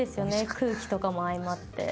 空気とかも相まって。